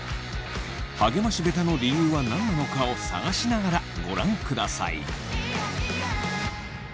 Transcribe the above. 励まし下手の理由は何なのかを探しながらご覧ください。